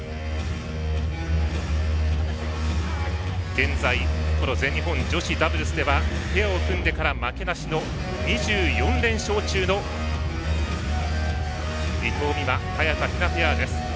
現在、全日本女子ダブルスではペアを組んでからは負けなしの２４連勝中の伊藤美誠、早田ひなペアです。